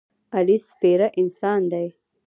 علي سپېره انسان دی.